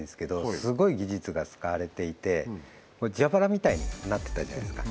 すごい技術が使われていて蛇腹みたいになってたじゃないですか